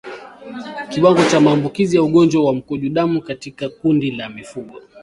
Kiwango cha maambukizi ya ugonjwa wa mkojo damu katika kundi la mifugo